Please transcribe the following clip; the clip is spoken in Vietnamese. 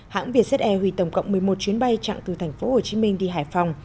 hãng vietjet air hủy tổng cộng một mươi một chuyến bay chặn từ thành phố hồ chí minh đi hải phòng